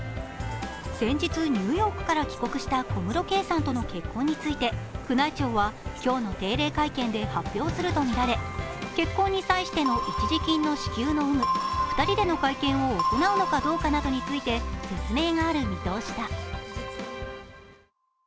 先日ニューヨークから帰国した小室圭さんとの結婚について宮内庁は今日の定例会見で発表するとみられ結婚に際しての一時金の有無、２人での会見を行うかなどについて説明がある見通しだ。